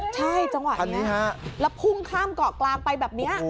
ใช่จังหวะนี้แล้วพุ่งข้ามเกาะกลางไปแบบนี้